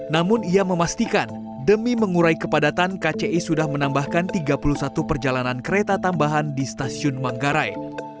namun ia memastikan demi mengurai kepadatan kci sudah menambahkan tiga puluh satu perjalanan kereta tambahan di stasiun manggarai